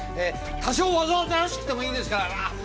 多少わざとらしくてもいいですから！